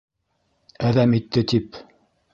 Әҙәм итте тип...